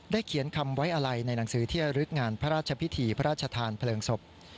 เขียนคำไว้อะไรในหนังสือที่ระลึกงานพระราชพิธีพระราชทานเพลิงศพ